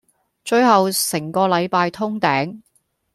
最後成個禮拜通頂